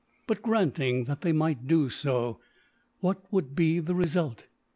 But granting that they might do so, what would be the result?